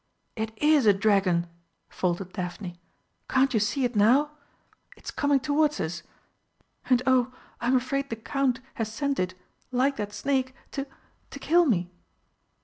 "It is a dragon!" faltered Daphne. "Can't you see it now? It's coming towards us! And oh, I'm afraid the Count has sent it like that snake to to kill me!"